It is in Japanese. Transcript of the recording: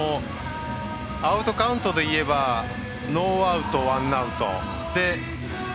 アウトカウントでいえばノーアウト、ワンアウトで。